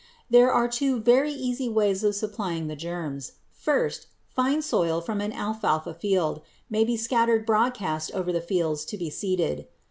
There are two very easy ways of supplying the germs. First, fine soil from an alfalfa field may be scattered broadcast over the fields to be seeded.